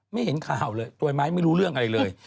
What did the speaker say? ไม่เห็นข่าวเลยตัวไม้ไม่รู้เรื่องอะไรเลย